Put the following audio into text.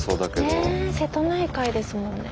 ね瀬戸内海ですもんね。